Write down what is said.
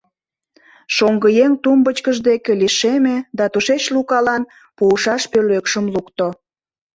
Шоҥгыеҥ тумбычкыж деке лишеме да тушеч Лукалан пуышаш пӧлекшым лукто.